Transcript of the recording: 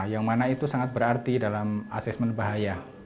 yang mana itu sangat berarti dalam asesmen bahaya